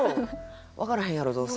「分からへんやろどうせ」。